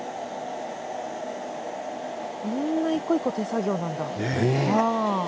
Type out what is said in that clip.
一個一個、手作業なんだ。